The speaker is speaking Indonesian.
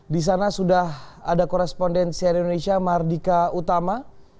di sana sudah ada korespondensi dari indonesia mardika utama